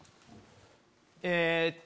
えっと